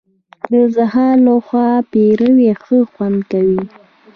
د سهار له خوا پېروی ښه خوند کوي .